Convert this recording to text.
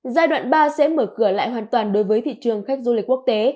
giai đoạn ba sẽ mở cửa lại hoàn toàn đối với thị trường khách du lịch quốc tế